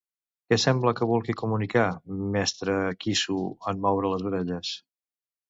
Què sembla que vulgui comunicar Mestre Quissu en moure les orelles?